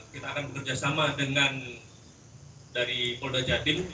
kita akan bekerjasama dengan dari polda jatim